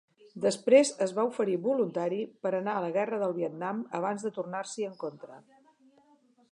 Després es va oferir voluntari per anar a la guerra del Vietnam abans de tornar-s'hi en contra.